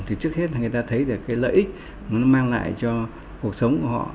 trước hết người ta thấy lợi ích mang lại cho cuộc sống của họ